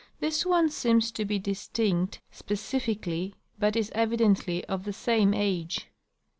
This one seems to be distinct specifically, but is evidently of the same age.''